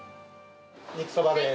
肉そばです。